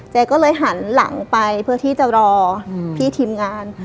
ก็เลยหันหลังไปเพื่อที่จะรอพี่ทีมงาน